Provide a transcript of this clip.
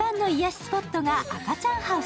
スポットが赤ちゃんハウス。